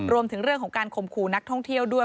รวมถึงเรื่องของการข่มขู่นักท่องเที่ยวด้วย